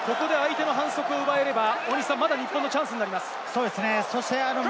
ここで相手の反則を奪えれば大西さん、まだ日本のチャンスになります。